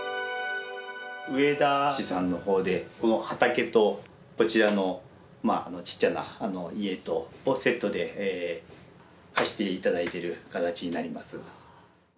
上田市さんのほうで、この畑とこちらのちっちゃな家とをセットで貸していただいている形になります。